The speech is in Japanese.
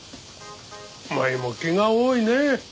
お前も気が多いねえ。